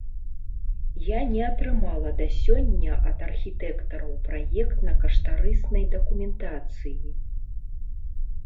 Я не атрымала да сёння ад архітэктараў праектна-каштарыснай дакументацыі.